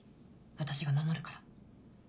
私が守るから。